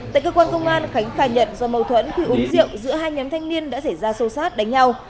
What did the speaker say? tại cơ quan công an khánh khai nhận do mâu thuẫn khi uống rượu giữa hai nhóm thanh niên đã xảy ra sâu sát đánh nhau